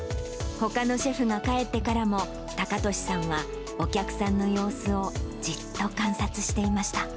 ほかのシェフが帰ってからも、隆敏さんはお客さんの様子をじっと観察していました。